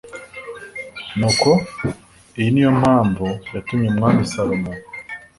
nuko iyi ni yo mpamvu yatumye umwami salomo